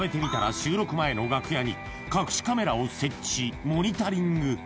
収録前の楽屋に隠しカメラを設置しモニタリング